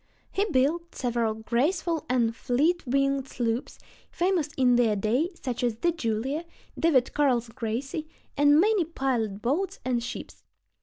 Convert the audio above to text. He built several graceful and fleet winged sloops, famous in their day, such as the Julia, David Carl's Gracie, and many pilot boats and ships.